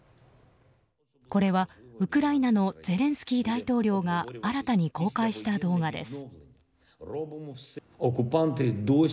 これはウクライナのゼレンスキー大統領が新たに公開した動画です。